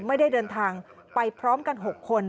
ไม่ได้เดินทางไปพร้อมกัน๖คน